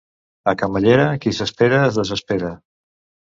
A Camallera, qui s'espera es desespera.